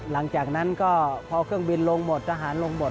หลังจากนั้นก็พอเครื่องบินลงหมดทหารลงหมด